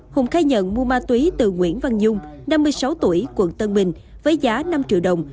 hùng khai nhận mua ma túy từ nguyễn văn dung năm mươi sáu tuổi quận tân bình với giá năm triệu đồng